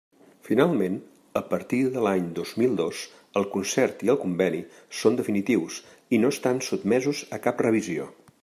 Finalment, a partir de l'any dos mil dos el concert i el conveni són definitius i no estan sotmesos a cap revisió.